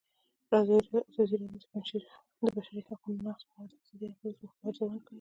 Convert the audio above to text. ازادي راډیو د د بشري حقونو نقض په اړه د اقتصادي اغېزو ارزونه کړې.